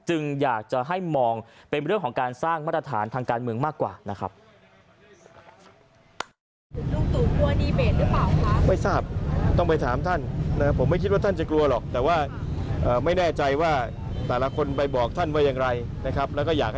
อยากจะให้มองเป็นเรื่องของการสร้างมาตรฐานทางการเมืองมากกว่านะครับ